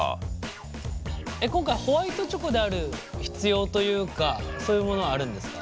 今回ホワイトチョコである必要というかそういうものはあるんですか？